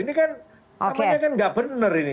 ini kan namanya kan nggak benar ini